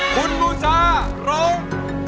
คุณหมูซาร้อง